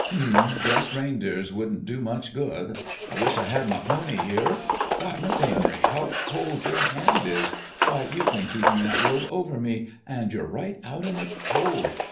"H'm! guess reindeers wouldn't do much good. I wish I had my pony here. Why, Miss Amory, how cold your hand is! Why, you've been keeping that robe over me, and you're right out in the cold.